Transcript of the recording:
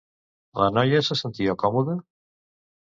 La noia se sentia còmoda?